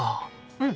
うん！